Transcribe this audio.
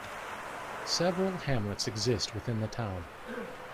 Several hamlets exist within the town.